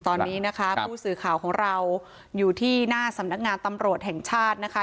ตอนนี้นะคะผู้สื่อข่าวของเราอยู่ที่หน้าสำนักงานตำรวจแห่งชาตินะคะ